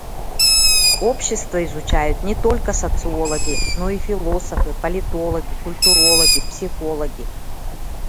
Общество изучают не только социологи, но и философы, политологи, культурологи, психологи.